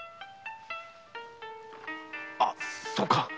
あそうか。